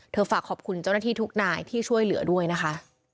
ฝากขอบคุณเจ้าหน้าที่ทุกนายที่ช่วยเหลือด้วยนะคะ